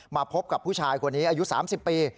มาพบกับผู้ชายคนนี้อายุ๓๐ปี